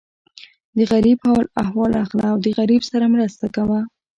د غریب حال احوال اخله او د غریب سره مرسته کوه.